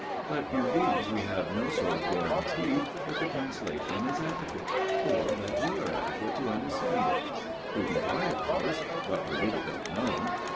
But in these we have no sort of guarantee that the translation is adequate, or that we are ade quate to understand it. We can try, of course ; but we really don't know.